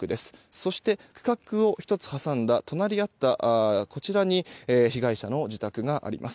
そして、区画を１つ挟んだ隣り合ったこちらに被害者の自宅があります。